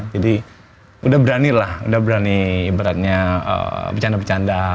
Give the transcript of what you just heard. jadi udah berani lah udah berani ibaratnya bercanda bercanda